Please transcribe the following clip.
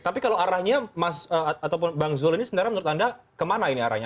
tapi kalau arahnya bang zulkifli ini sebenarnya menurut anda kemana ini arahnya